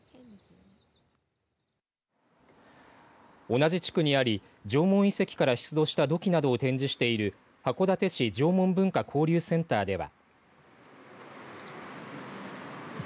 同じ地区にあり縄文遺跡から出土した土器などを展示している函館市縄文文化交流センターでは。